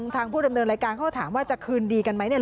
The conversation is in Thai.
ทางผู้ดำเนินรายการเขาก็ถามว่าจะคืนดีกันไหมเนี่ย